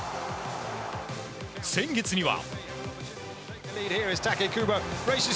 先月には。